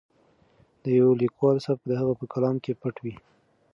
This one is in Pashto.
د یو لیکوال سبک د هغه په کلام کې پټ وي.